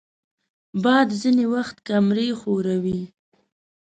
باد ځینې وخت کمرې ښوروي